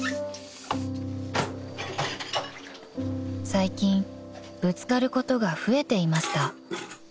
［最近ぶつかることが増えていました］